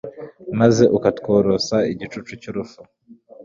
maze ukatworosa igicucu cy'urupfu